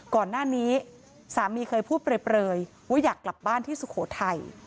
ก่อนหน้านี้สามีเคยพูดเปรยว่าอยากกลับบ้านที่สุโขทัย